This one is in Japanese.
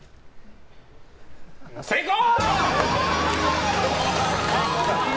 成功！